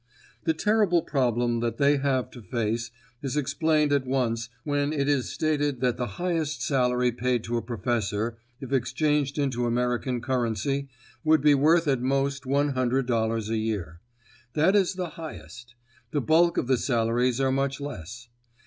The terrible problem that they have to face is explained at once when it is stated that the highest salary paid to a professor, if exchanged into American currency, would be worth at most one hundred dollars a year. That is the highest; the bulk of the salaries are much less.